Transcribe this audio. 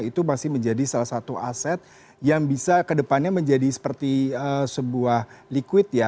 itu masih menjadi salah satu aset yang bisa ke depannya menjadi seperti sebuah liquid ya